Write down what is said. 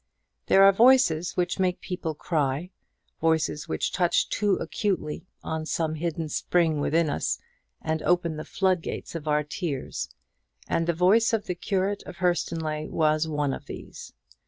There are voices which make people cry, voices which touch too acutely on some hidden spring within us, and open the floodgates of our tears; and the voice of the curate of Hurstonleigh was one of these.